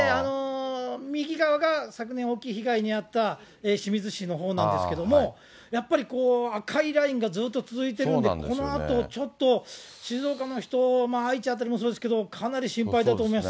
右側が昨年、大きい被害に遭った清水市のほうなんですけども、やっぱり赤いラインがずっと続いてるんで、このあとちょっと、静岡の人、愛知辺りもそうですけど、かなり心配だと思います。